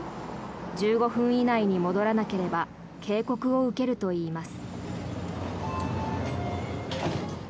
１５分以内に戻らなければ警告を受けるといいます。